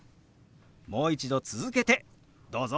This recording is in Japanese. もう一度続けてどうぞ！